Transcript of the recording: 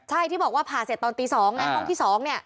ใช่ที่บอกว่าผ่าเสร็จตอนตี๒ไงห้องที่๒เนี่ย